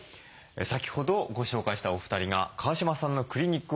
先ほどご紹介したお二人が川嶋さんのクリニックを訪れました。